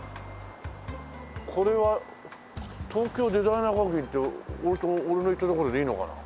これは東京デザイナー学院って俺の行った所でいいのかな？